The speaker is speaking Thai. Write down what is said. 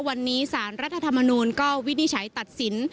วันนี้สารรัฐธรรมนูลก็วินิจฉัยตัดสิน